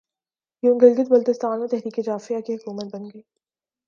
یوں گلگت بلتستان میں تحریک جعفریہ کی حکومت بن گئی